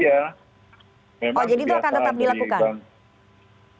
oh iya memang kebiasaan dari